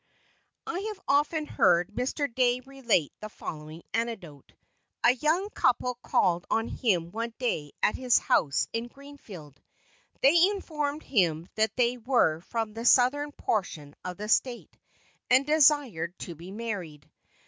I have often heard Mr. Dey relate the following anecdote. A young couple called on him one day at his house in Greenfield. They informed him that they were from the southern portion of the State, and desired to be married.